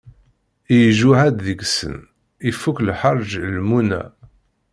Ijuhed deg-sen, ifuk lḥerǧ lmuna.